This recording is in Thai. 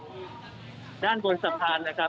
เหลือเพียงกลุ่มเจ้าหน้าที่ตอนนี้ได้ทำการแตกกลุ่มออกมาแล้วนะครับ